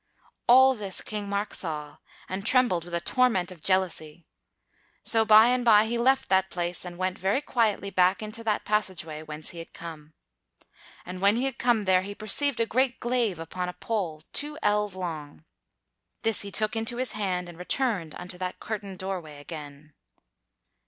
All this King Mark saw and trembled with a torment of jealousy. So by and by he left that place and went very quietly back into that passageway whence he had come. And when he had come there he perceived a great glaive upon a pole two ells long. This he took into his hand and returned unto that curtained doorway again.